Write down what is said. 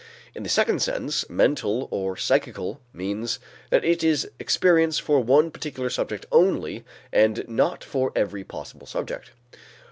In the second sense, mental or psychical means that it is experience for one particular subject only and not for every possible subject.